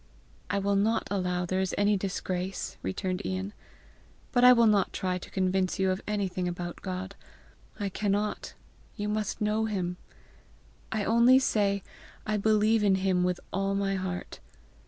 "I will not allow there is any disgrace," returned Ian. "But I will not try to con vince you of anything about God. I cannot. You must know him. I only say I believe in him with all my heart.